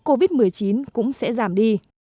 covid một mươi chín cũng sẽ giảm đi